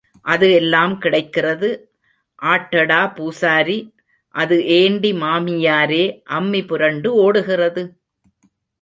அது எல்லாம் கிடக்கிறது ஆட்டடா பூசாரி, அது ஏண்டி மாமியாரே, அம்மி புரண்டு ஓடுகிறது?